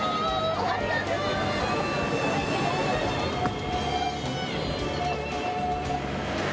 ありがとう。